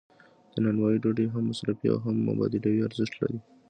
د نانوایی ډوډۍ هم مصرفي او هم مبادلوي ارزښت لري.